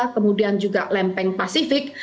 kemudian juga lempeng pasifik